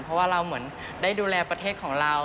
เพราะว่าเราเหมือนได้ดูแลประเทศของเรา